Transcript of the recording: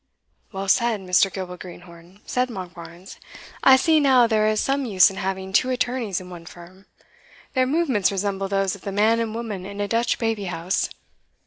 "Well said, Mr. Gilbert Greenhorn," said Monkbarns; "I see now there is some use in having two attorneys in one firm. Their movements resemble those of the man and woman in a Dutch baby house.